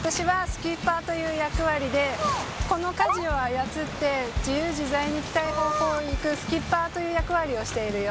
私はスキッパーという役割でこのかじを操って自由自在に行きたい方向に行くスキッパーという役割をしているよ。